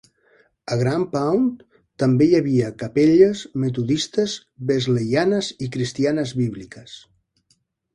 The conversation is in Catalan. A Grampound també hi havia capelles metodistes wesleyanes i cristianes bíbliques.